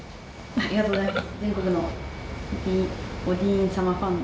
ありがとうございます。